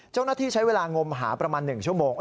เจ้าหน้าที่ใช้เวลางมหาประมาณ๑ชั่วโมง